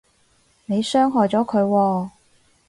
你傷害咗佢喎